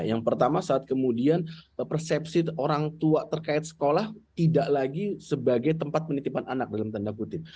yang pertama saat kemudian persepsi orang tua terkait sekolah tidak lagi sebagai tempat penitipan anak dalam tanda kutip